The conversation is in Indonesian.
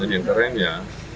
dan yang kerennya